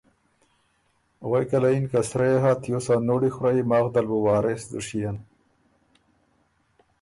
غوېکه له یِن که ”سرۀ يې هۀ تیوس ا نوړی خورئ ماخ دل بُو وارث دُشيېن